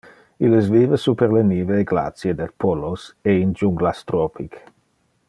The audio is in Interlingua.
Illes vive super le nive e glacie del Polos e in junglas tropic.